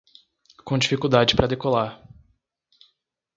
Com dificuldade para decolar